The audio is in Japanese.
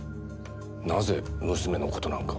なぜ娘の事なんか？